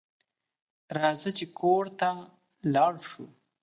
راځه چې کور ته لاړ شو